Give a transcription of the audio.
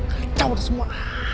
kacau udah semua